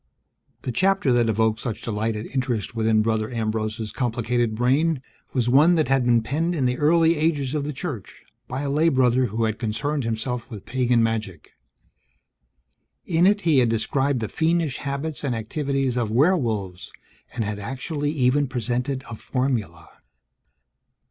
The chapter that evoked such delight and interest within Brother Ambrose's complicated brain was one that had been penned in the early ages of the Church by a lay brother who had concerned himself with pagan magic. In it, he had described the fiendish habits and activities of werewolves and had actually even presented a formula.